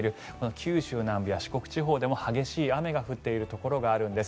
九州南部や四国地方でも激しい雨が降っているところがあるんです。